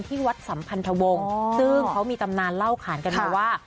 ที่วัดสัมพันธวงศ์ซึ่งเขามีตำนานเล่าขานกันมาว่า